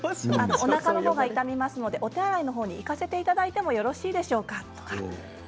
おなかのほうが痛みますのでお手洗いに行かせていただいてよろしいでしょうか